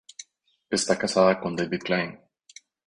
Está casada con David Kline.